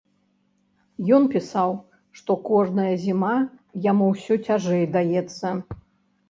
Ён пісаў, што кожная зіма яму ўсё цяжэй даецца.